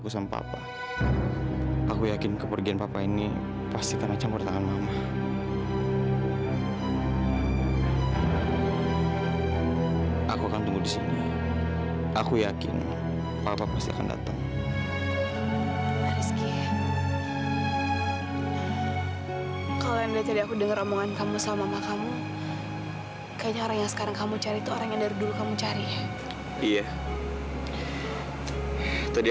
sampai jumpa di video selanjutnya